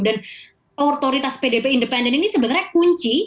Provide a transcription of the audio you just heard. dan otoritas pdp independen ini sebenarnya kunci